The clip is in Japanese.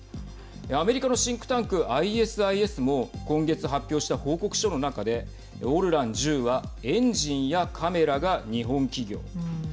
アメリカのシンクタンクＩＳＩＳも今月発表した報告書の中で、オルラン１０はエンジンやカメラが日本企業。